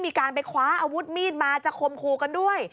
มีการไปคว้าอาวุธมีดมาจะคมคู่กันด้วย